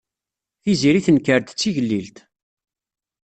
Tiziri tenker-d d tigellilt.